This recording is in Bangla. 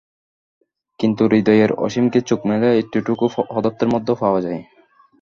কিন্তু হৃদয়ের অসীমকে চোখ মেলে এতটুকু পদার্থের মধ্যেও পাওয়া যায়।